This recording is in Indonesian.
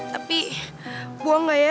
tapi buang gak ya